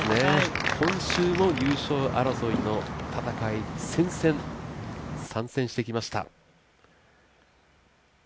今週も優勝争いの戦線、参戦してきました。